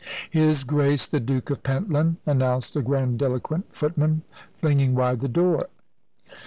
"His Grace the Duke of Pentland," announced a grandiloquent footman, flinging wide the door.